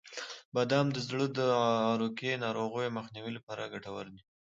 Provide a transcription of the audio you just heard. • بادام د زړه د عروقی ناروغیو مخنیوي لپاره ګټور دي.